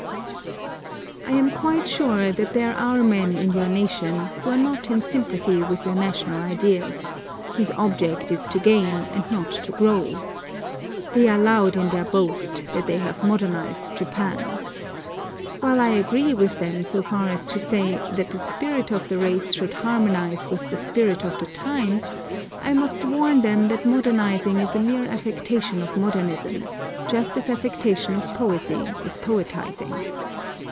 I am quite sure that there are men in your nation, who are not in sympathy with your national ideals; whose object is to gain, and not to grow. They are loud in their boast, that they have modernised Japan. While I agree with them so far as to say, that the spirit of the race should harmonise with the spirit of the time, I must warn them that modernising is a mere affectation of modernism, just as affectation of poesy is poetising.